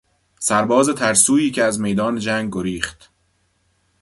سرباز ترسویی که از میدان جنگ گریخت